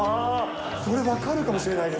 それ分かるかもしれないです。